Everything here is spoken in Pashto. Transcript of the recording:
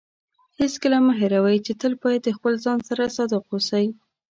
هیڅکله مه هېروئ چې تل باید د خپل ځان سره صادق اوسئ.